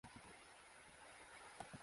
保安语基本上是主宾谓结构。